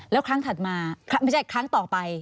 แล้วครั้งถัดมาไม่ใช่ครั้งต่อไป